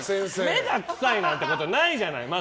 目が臭いなんてことないじゃない。